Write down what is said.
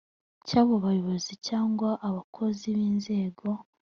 cyabo abayobozi cyangwa abakozi b inzego